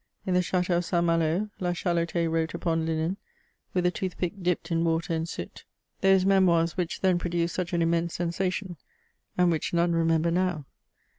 In the Ch&teau of St. Malo, La Chalotais wrote upon linen, with a toothpick dipped in water and soot, those Memoirs which then produced such an immense sensation and which none remember now.